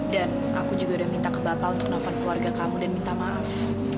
dan aku juga udah minta ke bapak untuk nafas keluarga kamu dan minta maaf